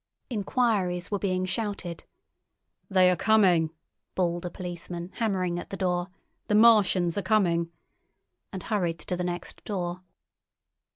Enquiries were being shouted. "They are coming!" bawled a policeman, hammering at the door; "the Martians are coming!" and hurried to the next door.